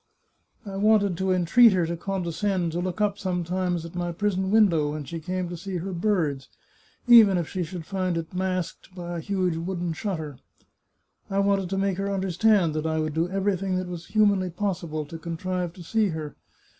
I wanted to entreat her to condescend to look up sometimes at my prison window when she came to see her birds, even if she should find it masked by a huge wooden shutter! I wanted to make her understand that I would do everything that was humanly possible to contrive to see her.